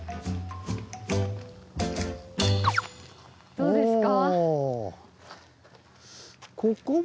どうですか？